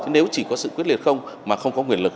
nếu chỉ có sự quyết liệt không mà không có quyền lực